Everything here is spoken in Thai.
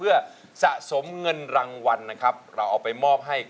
เพลงที่เจ็ดเพลงที่แปดแล้วมันจะบีบหัวใจมากกว่านี้